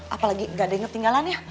apalagi gak ada yang ketinggalan ya